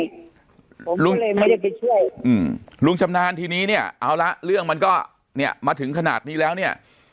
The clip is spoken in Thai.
ผมลุงเลยไม่ได้ไปช่วยอืมลุงชำนาญทีนี้เนี่ยเอาละเรื่องมันก็เนี่ยมาถึงขนาดนี้แล้วเนี่ย